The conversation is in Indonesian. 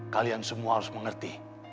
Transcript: kalian semua harus mengerti